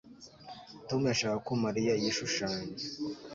tom yashakaga ko mariya yishushanya